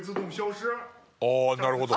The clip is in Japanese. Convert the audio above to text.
ああなるほど。